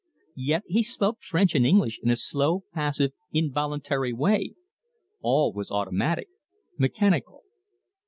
Yet he spoke French and English in a slow, passive, involuntary way. All was automatic, mechanical.